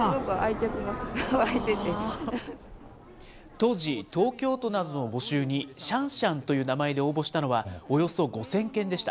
当時、東京都などの募集に、シャンシャンという名前で応募したのはおよそ５０００件でした。